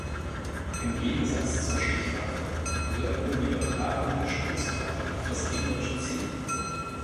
Im Gegensatz zur Stichwaffe wirkt nur die Übertragung der Stoßkraft auf das gegnerische Ziel.